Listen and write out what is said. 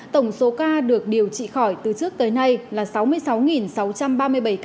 tổng số ca được điều trị khỏi từ trước tới nay là sáu mươi sáu sáu trăm ba mươi bảy ca